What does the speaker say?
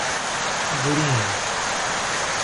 Gurinhém